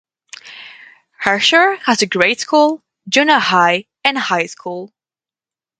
Herscher has a grade school, junior high, and high school.